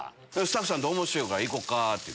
スタッフさんと面白いから行こうかって。